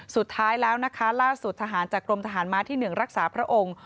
สุดท้ายแล้วนะคะล่าสุดทหารจากกรมทหารม้าที่๑รักษาพระองค์